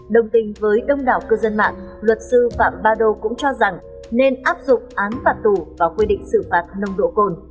đồng tình với đông đảo cư dân mạng luật sư phạm ba đô cũng cho rằng nên áp dụng án phạt tù và quy định xử phạt nông độ cồn